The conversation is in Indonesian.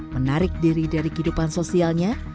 menarik diri dari kehidupan sosialnya